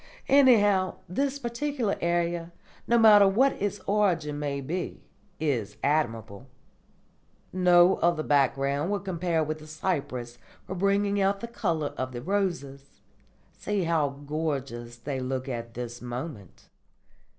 Anyhow, this particular idea, no matter what its origin may be, is admirable. No other background will compare with the cypress for bringing out the colour of the roses. See how gorgeous they look at this moment."